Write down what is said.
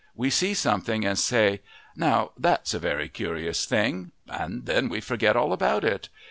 We see something and say, 'Now that's a very curious thing!' and then we forget all about it.